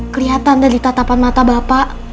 kelihatan dari tatapan mata bapak